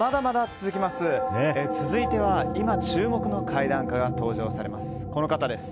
続いては、今注目の怪談家が登場されます。